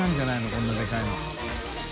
こんなでかいの。